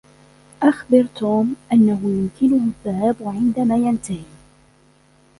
أخبر توم أنه يمكنه الذهاب عندما ينتهي.